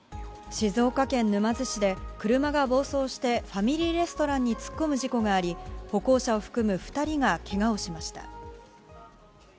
静岡県沼津市で車が暴走してファミリーレストランに突っ込む事故があり歩行者を含む２人がけがをしました。